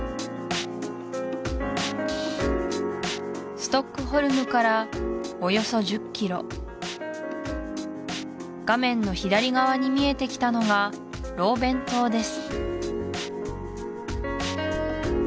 ストックホルムからおよそ１０ｋｍ画面の左側に見えてきたのがローベン島です